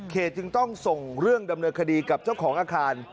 จึงต้องส่งเรื่องดำเนินคดีกับเจ้าของอาคาร